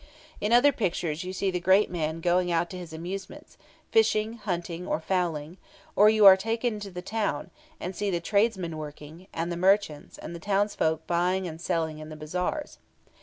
In other pictures you see the great man going out to his amusements, fishing, hunting, or fowling; or you are taken into the town, and see the tradesmen working, and the merchants, and townsfolk buying and selling in the bazaars.